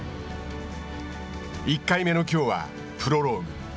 １回目のきょうは、プロローグ。